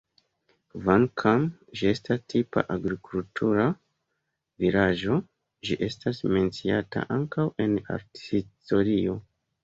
Kvankam ĝi estas tipa agrikultura vilaĝo, ĝi estas menciata ankaŭ en arthistorio.